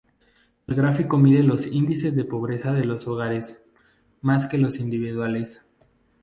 El gráfico mide los índices de pobreza de los hogares, más que los individuales.